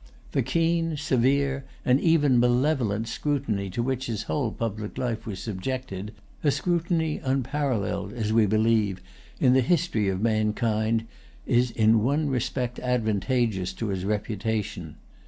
The keen, severe, and even malevolent scrutiny to which his whole public life was subjected, a scrutiny unparalleled, as we believe, in the history of mankind, is in one respect advantageous to his reputation.